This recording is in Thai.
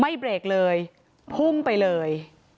เบรกเลยพุ่งไปเลย